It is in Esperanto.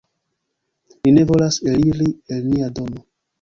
Ni ne volas eliri el nia domo.